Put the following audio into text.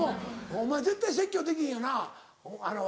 お前絶対説教できへんよな若手に。